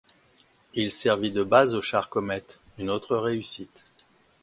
Il servit de base au char Comet, une autre réussite.